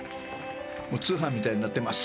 もう通販みたいになってます。